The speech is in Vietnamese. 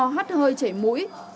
hắt hơi chảy mũi